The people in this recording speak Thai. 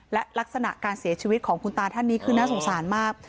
และลักษณะการเสียชีวิตของคุณตาท่านนี้คือน่าสงสารมาก